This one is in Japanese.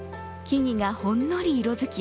木々がほんのり色づき